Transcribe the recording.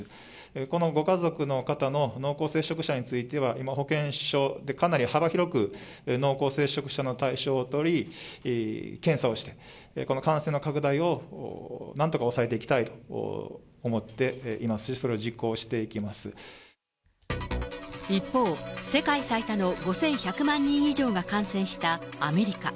このご家族の方の濃厚接触者については、今、保健所で、かなり幅広く濃厚接触者の対象を取り、検査をして、この感染の拡大をなんとか抑えていきたいと思っていますし、一方、世界最多の５１００万人以上が感染したアメリカ。